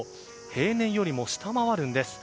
平年よりも下回るんです。